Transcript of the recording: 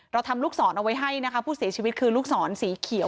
ทำลูกศรเอาไว้ให้นะคะผู้เสียชีวิตคือลูกศรสีเขียว